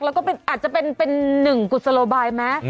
แล้วก็อาจจะเป็นหนึ่งกุศโลบายไหม